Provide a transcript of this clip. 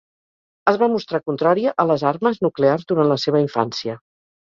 Es va mostrar contrària a les armes nuclears durant la seva infància.